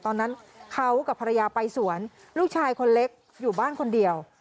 ตอนนั้นเขากับภรรยาไปสวนลูกชายคนเล็กอยู่บ้านคนเดียว